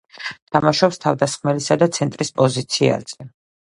თამაშობს თავდამსხმელისა და ცენტრის პოზიციაზე.